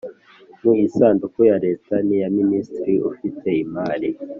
mu isanduku ya Leta niya Minisitiri ufite imari